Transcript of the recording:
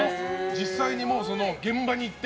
実際に、現場に行って。